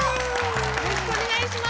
よろしくお願いします！